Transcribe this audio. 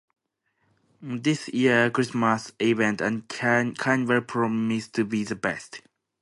This year's Christmas event and Carnival promise to be the best.